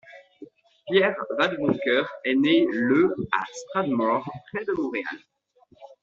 Pierre Vadeboncœur est né le à Strathmore, près de Montréal.